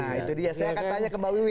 nah itu dia saya akan tanya ke mbak wiwi